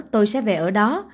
tôi sẽ về ở đó